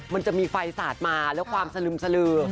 มันจะมีไฟสาดมาแล้วความสลึมสลือ